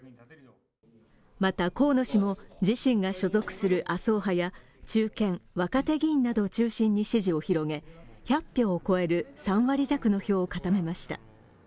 また河野氏も自身が所属する麻生派や、中堅・若手議員などを中心に支持を広げ、１００票を超える３割弱の票を固めました。